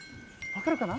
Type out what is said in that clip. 分かるかな？